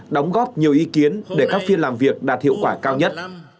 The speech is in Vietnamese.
đóng góp nhiều ý kiến để các phiên làm việc đạt hiệu quả cao nhất